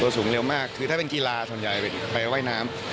สูงเร็วมากคือถ้าเป็นกีฬาส่วนใหญ่ไปว่ายน้ำ